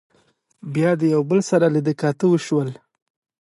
بيا د يو بل سره لیدۀ کاتۀ وشول